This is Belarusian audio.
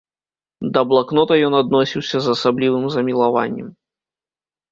Да блакнота ён адносіўся з асаблівым замілаваннем.